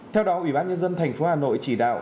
theo đó ủy ban nhân dân thành phố hà nội chỉ đạo